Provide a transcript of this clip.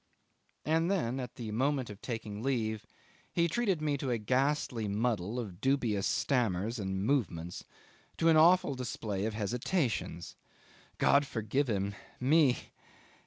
And then at the moment of taking leave he treated me to a ghastly muddle of dubious stammers and movements, to an awful display of hesitations. God forgive him me!